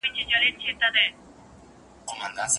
ډېري مڼې زموږ لخوا کور ته راوړل کیږي.